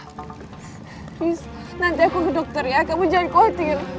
habis nanti aku ke dokter ya kamu jangan khawatir